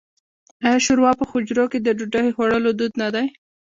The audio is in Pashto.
آیا شوروا په حجرو کې د ډوډۍ خوړلو دود نه دی؟